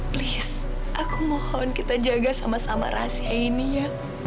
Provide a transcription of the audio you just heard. please aku mohon kita jaga sama sama rahasia ini ya